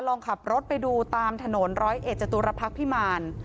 ลองขับรถไปดูตามถนนร้อยเอ็จจตุรพักษ์พิมาร